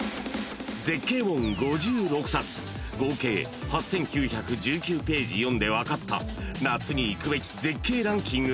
［絶景本５６冊合計８，９１９ページ読んで分かった夏に行くべき絶景ランキング